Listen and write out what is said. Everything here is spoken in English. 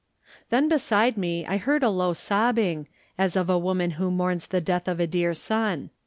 Then beside me I heard a low sobbing, as of a woman who mourns the death of a dear son.